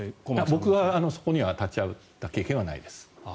僕はそこに立ち会った経験はないです。